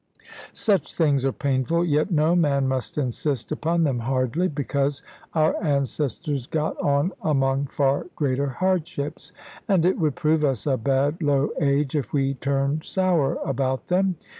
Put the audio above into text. Such things are painful; yet no man must insist upon them hardly, because our ancestors got on among far greater hardships. And it would prove us a bad low age if we turned sour about them.